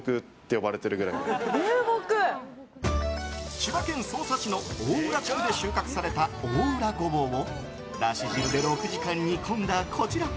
千葉県匝瑳市の大浦地区で収穫された大浦ごぼうをだし汁で６時間煮込んだこちら。